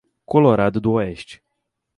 Colorado do Oeste